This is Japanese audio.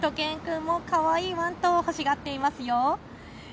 しゅと犬くんもかわいいワンと欲しがっていますよ。